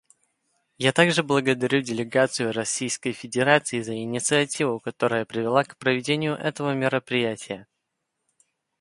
Я также благодарю делегацию Российской Федерации за инициативу, которая привела к проведению этого мероприятия.